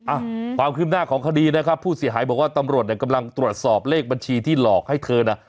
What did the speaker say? อ่ะความคืบหน้าของคดีนะครับผู้เสียหายบอกว่าตำรวจเนี่ยกำลังตรวจสอบเลขบัญชีที่หลอกให้เธอน่ะ